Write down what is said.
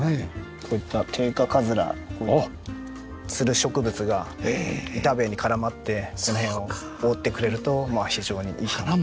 こういったテイカカズラこういうつる植物が板塀に絡まってこの辺を覆ってくれると非常にいいかなと。